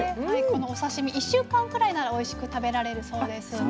このお刺身１週間くらいならおいしく食べられるそうです。